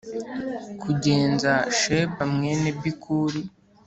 kugenza Sheba mwene Bikuri